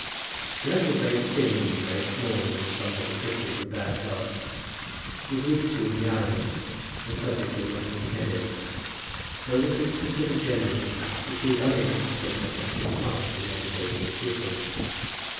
The other was very thin and very small, and somewhat afflicted with bad health; was weak, too, in the eyes, and subject to racking headaches, so that it was considered generally that she was unable to take much active part in the education of the pupils.